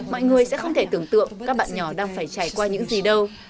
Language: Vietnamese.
mọi người sẽ không thể tưởng tượng các bạn nhỏ đang phải trải qua những gì đâu